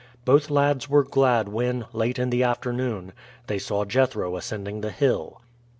Both lads were glad when, late in the afternoon, they saw Jethro ascending the hill.